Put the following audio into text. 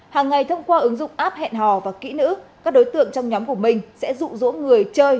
hàng ngày thông qua ứng dụng app hẹn hò và kỹ nữ các đối tượng trong nhóm của mình sẽ rụ rỗ người chơi